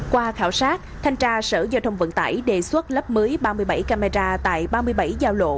qua khảo sát thanh tra sở giao thông vận tải đề xuất lắp mới ba mươi bảy camera tại ba mươi bảy giao lộ